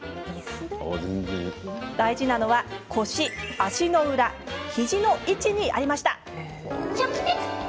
大事なのは、腰、足の裏肘の位置にありました。